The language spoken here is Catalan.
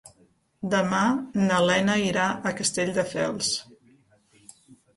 Demà na Lena irà a Castelldefels.